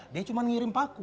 dia cuman ngirim paku